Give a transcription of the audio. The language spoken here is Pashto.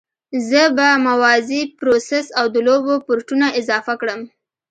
زه به موازي پروسس او د لوبو پورټونه اضافه کړم